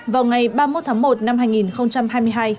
vào ngày ba mươi một tháng một năm hai nghìn hai mươi hai